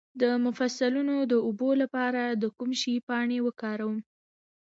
د مفصلونو د اوبو لپاره د کوم شي پاڼې وکاروم؟